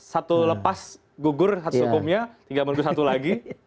sudah satu lepas gugur khas hukumnya tinggal menunggu satu lagi